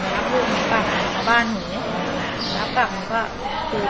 รับลูกหนูกลับรับบ้านหนูเนี้ยรับกลับหนูก็